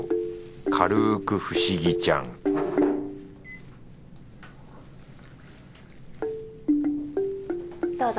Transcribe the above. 軽く不思議ちゃんどうぞ。